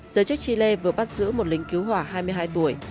giới chức chile vừa bắt giữ một lính cứu hỏa hai mươi hai tuổi